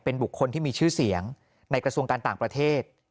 เป็นบุคคลที่มีชื่อเสียงในกระทรวงการต่างประเทศ